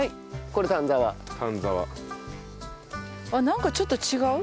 あっなんかちょっと違う？